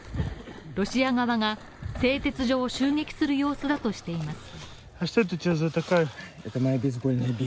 ロシア側が製鉄所を襲撃する様子だとしています。